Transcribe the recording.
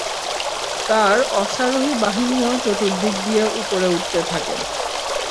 তার অশ্বারোহী বাহিনীও চতুর্দিক দিয়ে উপরে উঠতে থাকে।